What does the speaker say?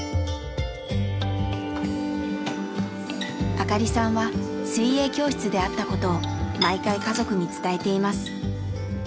明香里さんは水泳教室であったことを毎回家族に伝えています。